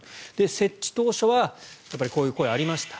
設置当初はこういう声がありました。